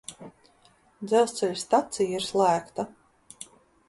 Dzelzceļa stacija ir slēgta.